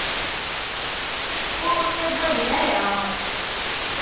Ur ɣ-ttagaden ara.